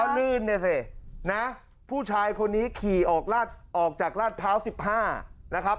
ลื่นเนี่ยสินะผู้ชายคนนี้ขี่ออกจากลาดพร้าว๑๕นะครับ